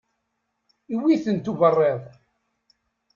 Iwwi-tent uberriḍ.